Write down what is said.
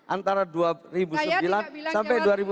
antara dua ribu sembilan sampai dua ribu empat belas